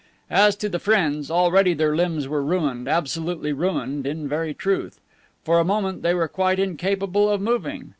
As to the friends, already their limbs were ruined, absolutely ruined, in very truth. For a moment they were quite incapable of moving.